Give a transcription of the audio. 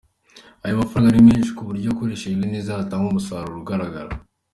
Aya mafaranga ni menshi ku buryo akoreshejwe neza yatanga umusaruro ugaragara.